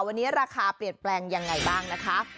วันนี้ราคาเปลี่ยนแปลงยังไงบ้างนะคะ